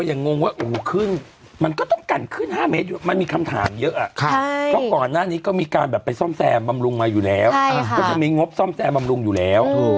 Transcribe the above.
อย่างงงว่าโอ้โหขึ้นมันก็ต้องกันขึ้น๕เมตรมันมีคำถามเยอะเพราะก่อนหน้านี้ก็มีการแบบไปซ่อมแซมบำรุงมาอยู่แล้วก็จะมีงบซ่อมแซมบำรุงอยู่แล้ว